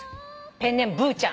ペンネームブーちゃん。